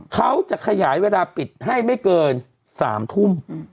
เขาจะขยายเวลาปิดให้ไม่เกิน๓ทุ่ม